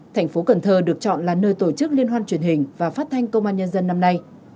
thành phố cần thơ được chọn là nơi tổ chức liên hoan truyền hình và phát thanh công an nhân dân năm nay